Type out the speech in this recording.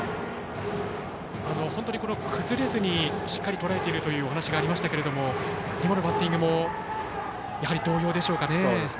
崩れずにしっかりとらえているというお話がありましたが今のバッティングも同様でしょうかね？